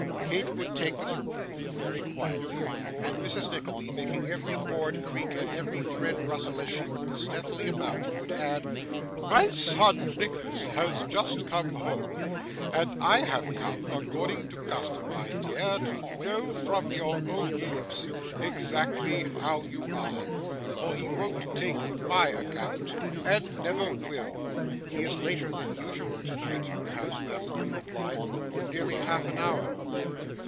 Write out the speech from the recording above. Kate would take this reproof very quietly, and Mrs. Nickleby, making every board creak and every thread rustle as she moved stealthily about, would add: 'My son Nicholas has just come home, and I have come, according to custom, my dear, to know, from your own lips, exactly how you are; for he won't take my account, and never will.' 'He is later than usual to night,' perhaps Madeline would reply. 'Nearly half an hour.